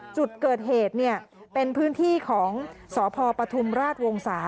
จุดเกิดเหตุเป็นพื้นที่ของสพปฐุมราชวงศา